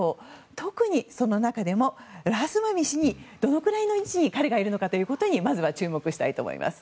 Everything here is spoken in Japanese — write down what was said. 特に、その中でもラマスワミ氏がどのくらいの位置にいるのかにまず注目したいと思います。